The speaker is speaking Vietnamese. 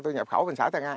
tôi nhập khẩu bên xã tân an